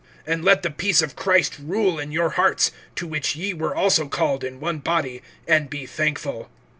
(15)And let the peace of Christ rule in your hearts, to which ye were also called in one body; and be thankful.